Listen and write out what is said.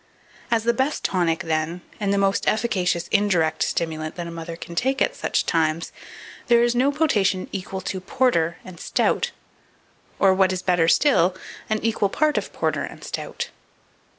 As the best tonic, then, and the most efficacious indirect stimulant that a mother can take at such times, there is no potation equal to porter and stout, or, what is better still, an equal part of porter and stout.